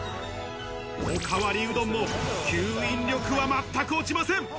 おかわりうどんも、吸引力は全く落ちません。